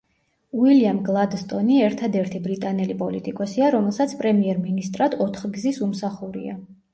უილიამ გლადსტონი ერთადერთი ბრიტანელი პოლიტიკოსია, რომელსაც პრემიერ-მინისტრად ოთხგზის უმსახურია.